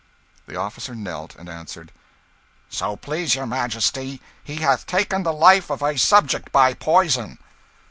The officer knelt, and answered "So please your Majesty, he hath taken the life of a subject by poison."